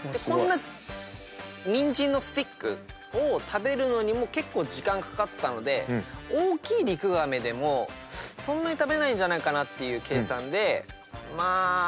こんなニンジンのスティックを食べるのにも結構時間かかったので大きいリクガメでもそんなに食べないんじゃないかなっていう計算で。